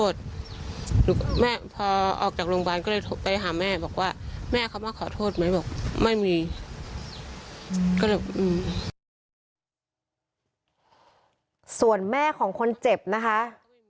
ส่วนแม่ของคนเจ็บนะคะ